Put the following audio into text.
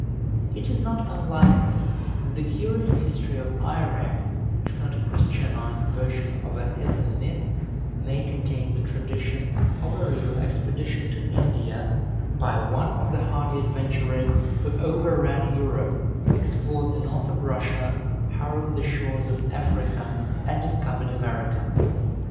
It is not unlikely that the curious history of Eirek, if not a Christianized version of a heathen myth, may contain the tradition of a real expedition to India, by one of the hardy adventurers who overran Europe, explored the north of Russia, harrowed the shores of Africa, and discovered America.